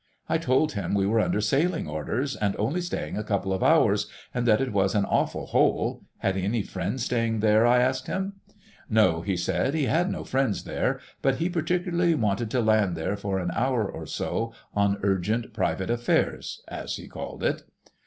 I told him we were under sailing orders, and only staying a couple of hours, and that it was an awful hole: had he any friends staying there, I asked him. No, he said, he had no friends there, but he particularly wanted to land there for an hour or so on urgent private affairs, as he called it.